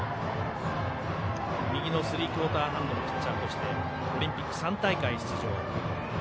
右のスリークオーターハンドのピッチャーとしてオリンピック３大会出場。